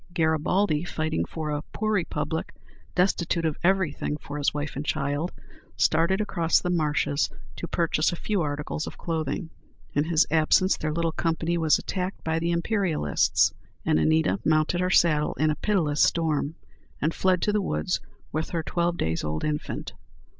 Garibaldi, fighting for a poor republic, destitute of everything for his wife and child, started across the marshes to purchase a few articles of clothing. In his absence, their little company was attacked by the Imperialists, and Anita mounted her saddle in a pitiless storm, and fled to the woods with her twelve days old infant.